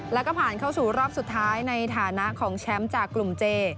แล้วก็ผ่านเข้าสู่รอบสุดท้ายในฐานะของแชมป์จากกลุ่มเจ